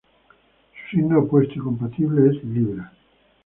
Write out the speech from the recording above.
Su signo opuesto y compatible es Libra.